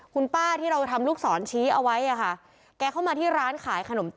คุณป้าที่เราทำลูกศรชี้เอาไว้ค่ะ